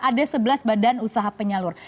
ada sebelas badan usaha penyalur